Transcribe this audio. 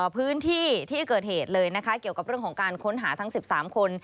พื้นที่ที่เกิดเหตุเลยนะคะเกี่ยวกับเรื่องของการค้นหาทั้ง๑๓คน